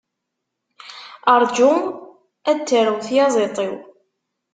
Ṛǧu ar d tarew tyaziḍt-iw!